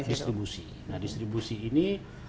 distribusi nah distribusi ini